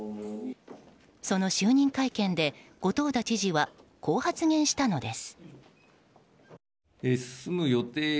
その就任会見で、後藤田知事はこう発言したのです。